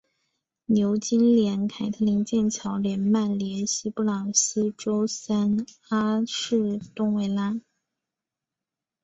牛津联凯特灵剑桥联曼联西布朗锡周三阿士东维拉